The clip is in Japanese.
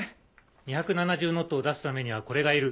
２７０ノットを出すためにはこれがいる。